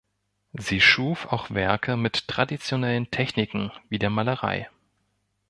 Sie schuf auch Werke mit traditionellen Techniken wie der Malerei.